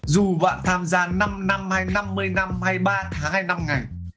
dù bạn tham gia năm năm hay năm mươi năm hay ba tháng hay năm ngày